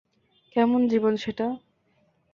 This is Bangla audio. কেমন জীবন সেটা?